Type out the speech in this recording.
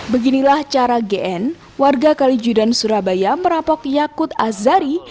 beginilah cara gn warga kalijudan surabaya merampok yakut azari